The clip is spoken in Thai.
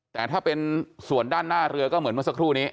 แต่ถ้าเป็นส่วนด้านหน้าเรือก็เหมือนเมื่อสักครู่นี้